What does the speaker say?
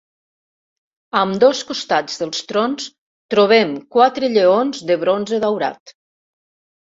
A ambdós costats dels trons trobem quatre lleons de bronze daurat.